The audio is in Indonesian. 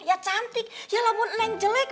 ya cantik yalah mohon neng jelek